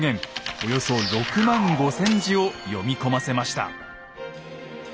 およそ６万５，０００字を読み込ませました。